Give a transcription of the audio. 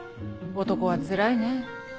男はつらいねぇ。